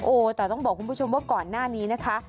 โอ้โหแต่ต้องบอกคุณผู้ชมว่าก่อนหน้านี้นะคะ